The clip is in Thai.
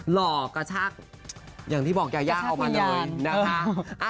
หลอกกระชากอย่างที่บอกยายาเอามาเลยนะคะ